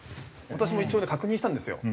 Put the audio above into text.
私も一応ね確認したんですよ。